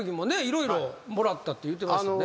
色々もらったって言ってましたよね。